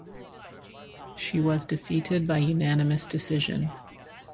She was defeated by unanimous decision.